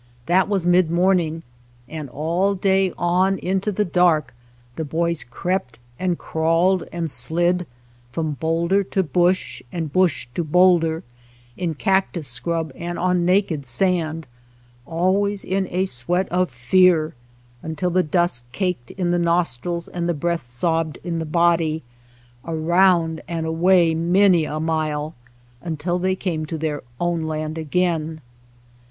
That was mid morning, and all day on into the dark the boys crept and crawled and slid, from boulder to bush, and bush to boulder, in cactus scrub and on naked sand, always in a sweat of fear, until the dust caked in the nostrils and the breath sobbed in the body, around and away many a mile until they came to their own land again.